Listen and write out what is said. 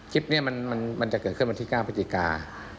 คลิปนี้มันมันจะเกิดขึ้นวันที่๙พฤติกา๒๕๖๐